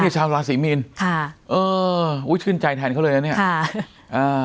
ชาวราศรีมีนค่ะเอออุ้ยชื่นใจแทนเขาเลยนะเนี่ยค่ะอ่า